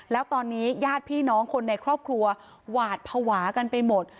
แล้วตอนนี้ญาติพี่น้องคนในครอบครัวหวาดภาวะกันไปหมด